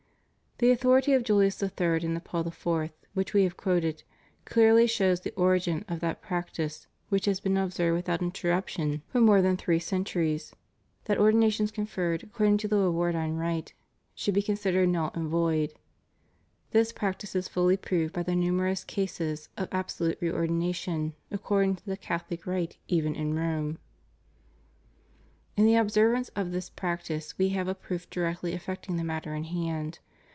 The authority of Julius III. and of Paul IV., which we have quoted, clearly shows the origin of that practice which has been observed without interruption for more 398 ANGLICAN ORDERS. than three centuries, that Ordinations conferred according to the Edwardine rite should be considered null and void. This practice is fully proved by the numerous cases of absolute reordination according to the Catholic rite even in Rome. In the observance of this practice we have a proof directly affecting the matter in hand.